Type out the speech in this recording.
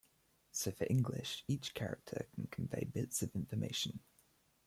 So for English each character can convey bits of information.